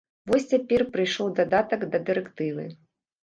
Вось цяпер прыйшоў дадатак да дырэктывы.